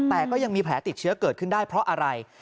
แต่ก็ยังมีแผลติดเชื้อเกิดขึ้นได้เพราะอะไร